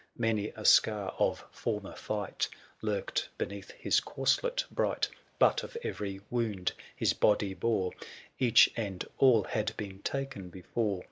Many a scar of former fight Lurked beneath his corslet bright ; But of every wound his body bore, 7^1 ©if ti'Miail^S Each and all had been ta'en before :'►•..>'